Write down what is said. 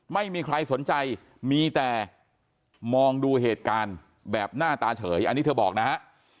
ไม่มีใครสนใจมีแต่มองดูเหตุการณ์แบบหน้าตาเฉยอันนี้เธอบอกนะฮะ